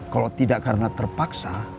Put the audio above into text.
kalau tidak karena terpaksa